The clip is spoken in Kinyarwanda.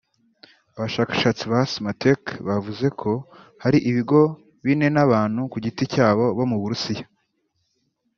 Abashakashatsi ba Symantec bavuze ko hari ibigo bine n’abantu ku giti cyabo bo mu Burusiya